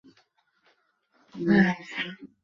旅游业兴盛。